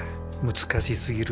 難しすぎる。